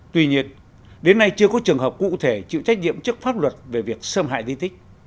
tuy nhiên đến nay chưa có trường hợp cụ thể chịu trách nhiệm trước pháp luật về việc xâm hại di tích